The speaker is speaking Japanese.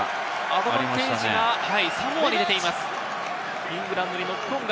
アドバンテージがサモアに出ています。